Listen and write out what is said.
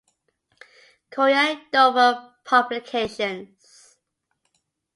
Courier Dover Publications.